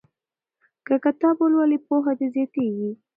که کتاب ولولې پوهه دې زیاتیږي.